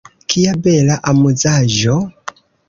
Kia bela amuzaĵo!